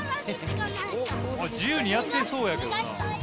自由にやってそうやけどな。